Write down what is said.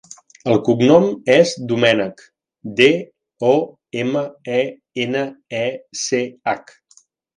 El cognom és Domenech: de, o, ema, e, ena, e, ce, hac.